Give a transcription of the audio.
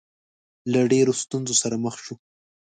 له ډېرو ستونزو سره مخ شو.